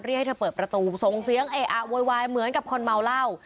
ให้เธอเปิดประตูส่งเสียงเออะโวยวายเหมือนกับคนเมาเหล้า